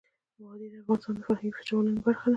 وادي د افغانستان د فرهنګي فستیوالونو برخه ده.